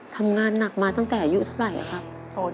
ทำงานหนักมาตั้งแต่อายุเท่าไหร่ครับ